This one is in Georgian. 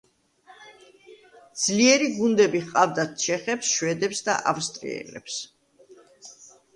ძლიერი გუნდები ჰყავდათ ჩეხებს, შვედებს და ავსტრიელებს.